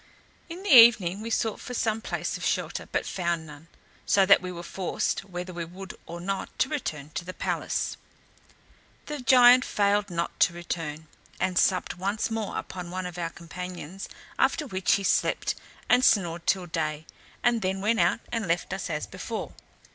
In the evening we sought for some place of shelter, but found none; so that we were forced, whether we would or not, to return to the palace. The giant failed not to return, and supped once more upon one of our companions, after which he slept, and snored till day, and then went out and left us as before.